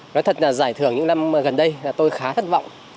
nói thật là giải thưởng những năm gần đây là tôi khá thất vọng